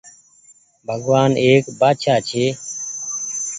بگوآن ايڪ بآڇآ ڇي